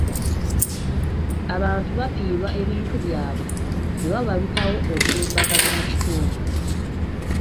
Abantu bafiirwa ebintu byabwe bwe wabalukawo obulumbaganyi mu kitundu.